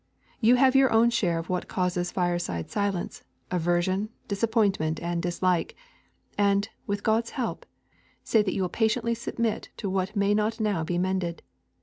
You have your own share of what causes fireside silence, aversion, disappointment, and dislike; and, with God's help, say that you will patiently submit to what may not now be mended.